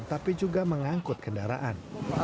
tapi juga mengangkut kendaraan